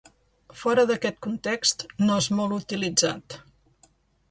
Fora d'aquest context no és molt utilitzat.